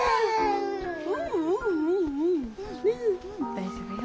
大丈夫よ。